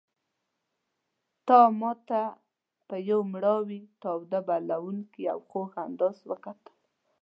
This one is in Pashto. تا ماته په یو مړاوي تاوده بلوونکي او خوږ انداز وکتل.